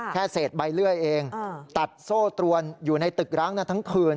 แค่เศษใบเลื่อยเองตัดโซ่ตรวนอยู่ในตึกร้างนั้นทั้งคืน